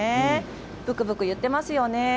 ぶくぶくいっていますよね。